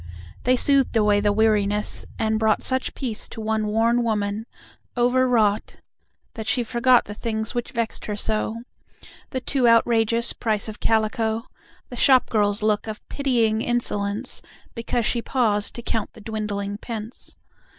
They soothed away the weariness, and brought Such peace to one worn woman, over wrought, That she forgot the things which vexed her so: The too outrageous price of calico, The shop girl's look of pitying insolence Because she paused to count the dwindling pence.